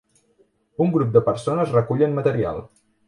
Un grup de persones recullen material.